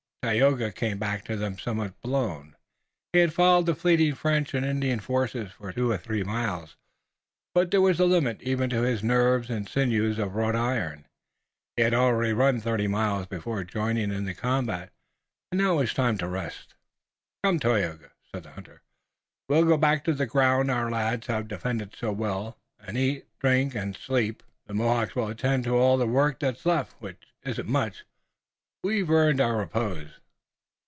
Tayoga came back to them somewhat blown. He had followed the fleeing French and Indian force two or three miles. But there was a limit even to his nerves and sinews of wrought steel. He had already run thirty miles before joining in the combat, and now it was time to rest. "Come, Tayoga," said the hunter, "we'll go back to the ground our lads have defended so well, and eat, drink and sleep. The Mohawks will attend to all the work that's left, which isn't much. We've earned our repose."